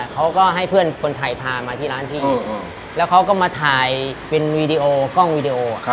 เขาก็ให้เพื่อนคนไทยพามาที่ร้านพี่แล้วเขาก็มาถ่ายเป็นวีดีโอกล้องวีดีโอ